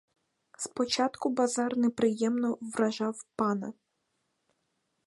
Спочатку базар неприємно вражав пана.